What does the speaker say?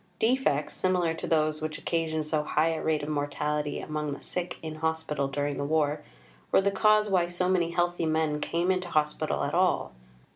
Defects, similar to those which occasioned so high a rate of mortality among the sick in Hospital during the war, were the cause why so many healthy men came into Hospital at all.